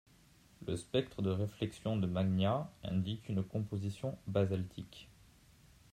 Le spectre de réflexion de Magnya indique une composition basaltique.